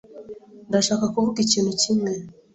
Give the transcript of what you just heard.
Ndashaka kuvuga ikintu kimwe.